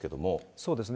そうですね。